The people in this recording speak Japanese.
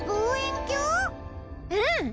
うん！